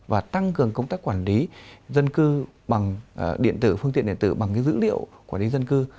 và tăng cường công tác quản lý dân cư bằng điện tử phương tiện điện tử bằng cái dữ liệu quản lý dân cư